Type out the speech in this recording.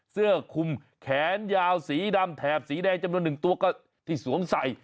เสื้อคุมแขนยาวสีดำแถบสีแดงจำนวนหนึ่งตัวก็ที่สวมใส่